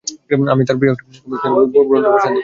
অমি তার প্রিয় একটা কমিকস নিয়ে রওনা দিল রন্টুর বাসার দিকে।